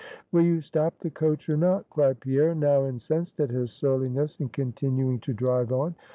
"Will you stop the coach, or not?" cried Pierre, now incensed at his surliness in continuing to drive on.